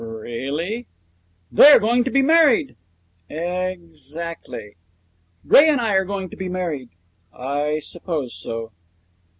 'Really?' 'They are going to be married.' 'Exactly.' 'Ray and I are going to be married.' 'I suppose so.'